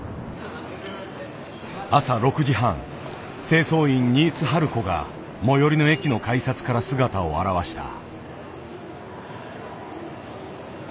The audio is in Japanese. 清掃員・新津春子が最寄りの駅の改札から姿を現した。